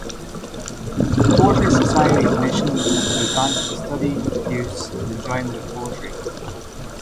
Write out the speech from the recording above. The Poetry Society's mission is to advance the study, use and enjoyment of poetry.